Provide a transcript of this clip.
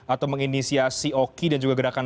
atau menginisiasi oki dan juga gerakan